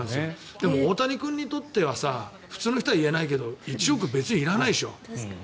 でも大谷君にとっては普通の人は言えないけど１億、別にいらないでしょ。